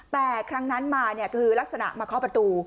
แต่ครั้งนั้นมาคือลักษณะมาเคาะประตู